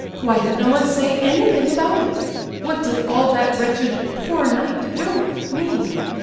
Why did no one say anything about it? What did all that wretched "poor knight" joke mean?